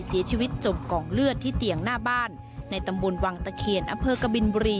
เสียชีวิตจบกองเลือดที่เตียงหน้าบ้านในตำบลวังตะเขียนอเภอกบิลบุรี